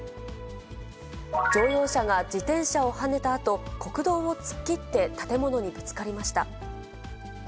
乗用車が自転車をはねたあと、国道を突っ切って、建物にぶつかりました。